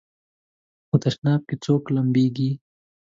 په تشناب کې څوک لمبېږي؟